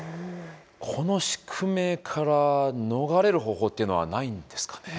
この宿命から逃れる方法っていうのはないんですかね。